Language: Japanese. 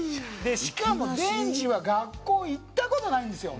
しかもデンジは学校行った事ないんですよ。